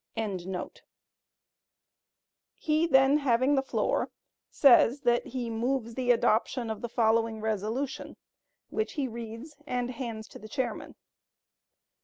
] He, then having the floor, says that he "moves the adoption of the following resolution," which he reads and hands to the chairman.